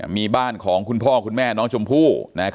มีบ้านของคุณพ่อคุณแม่น้องชมพู่